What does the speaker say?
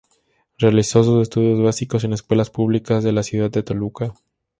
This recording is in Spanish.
Realizó sus estudios básicos en escuelas públicas de la ciudad de Toluca.